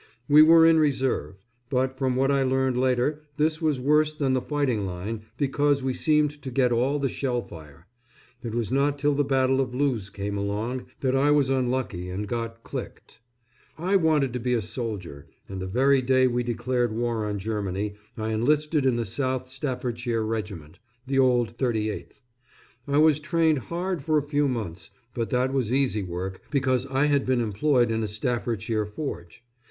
We were in reserve; but from what I learned later this was worse than the fighting line, because we seemed to get all the shell fire. It was not till the battle of Loos came along that I was unlucky and got "clicked." I wanted to be a soldier, and the very day we declared war on Germany I enlisted in the South Staffordshire Regiment, the old 38th. I was trained hard for a few months; but that was easy work, because I had been employed in a Staffordshire forge.